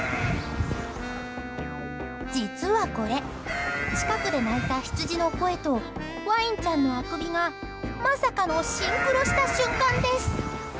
実はこれ近くで鳴いたヒツジの声とワインちゃんのあくびがまさかのシンクロした瞬間です。